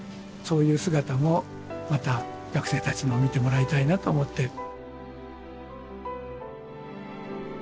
そういう姿もまた学生たちにも見てもらいたいなと思って。